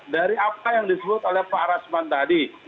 dari apa yang disebut oleh pak rasman tadi